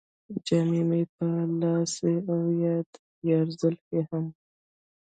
جام به مې په لاس وي او د یار زلفې هم.